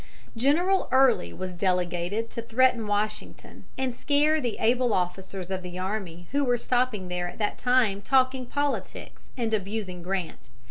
] General Early was delegated to threaten Washington and scare the able officers of the army who were stopping there at that time talking politics and abusing Grant.